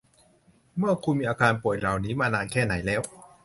คุณมีอาการป่วยเหล่านี้มานานแค่ไหนแล้ว